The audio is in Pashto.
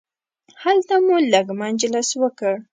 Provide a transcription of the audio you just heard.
هلته مو لږ مجلس وکړ.